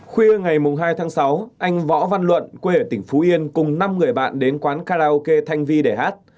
khuya ngày hai tháng sáu anh võ văn luận quê ở tỉnh phú yên cùng năm người bạn đến quán karaoke thanh vi để hát